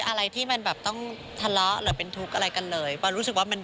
อะไรที่มันแบบต้องทะเลาะหรือเป็นทุกข์อะไรกันเลยปอยรู้สึกว่ามัน